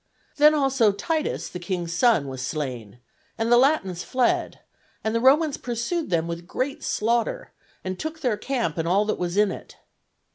Then also Titus, the king's son, was slain, and the Latins fled, and the Romans pursued them with great slaughter, and took their camp and all that was in it.